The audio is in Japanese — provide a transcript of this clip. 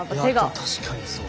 確かにそう。